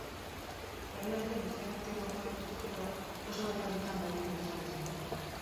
Orain arte bezain aktibo jarraituz gero, oso nekatuta amaitu dezakezu.